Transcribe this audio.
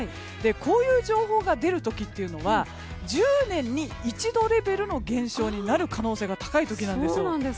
こういう情報が出る時というのは１０年に一度レベルの現象になる可能性が高い時なんですよ。